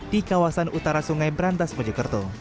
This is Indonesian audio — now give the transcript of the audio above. di kawasan utara sungai berantas mojokerto